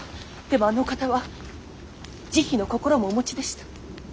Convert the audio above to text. でもあのお方は慈悲の心もお持ちでした。